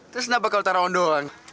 terus kenapa kalau taruhan doang